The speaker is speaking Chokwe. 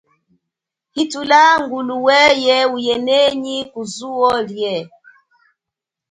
Hithula ngulu weye uye nenyi kuzuo lie.